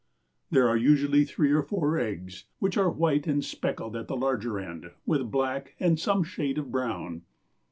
There are usually either three or four eggs, which are white and speckled at the larger end, with black or some shade of brown.